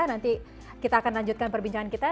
nanti kita akan lanjutkan perbincangan kita